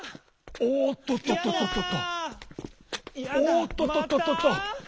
・「おっとととと」。